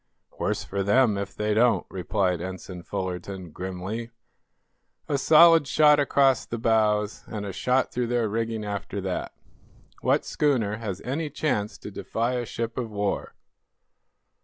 "Worse for them, if they don't," replied Ensign Fullerton, grimly. "A solid shot across the bows, and a shot through their rigging after that. What schooner has any chance to defy a ship of war?"